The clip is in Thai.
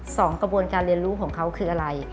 กระบวนการเรียนรู้ของเขาคืออะไร